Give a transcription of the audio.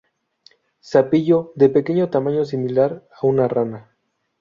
Sapillo de pequeño tamaño, similar a una rana.